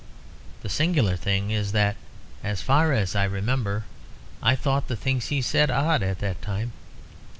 The singular thing is that, as far as I remember, I thought the things he said odd at that time.